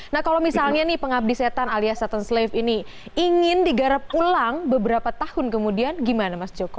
nah kalau misalnya nih pengabdi setan alias setan slave ini ingin digarap ulang beberapa tahun kemudian gimana mas joko